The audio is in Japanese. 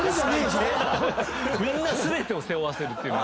みんな全てを背負わせるっていう。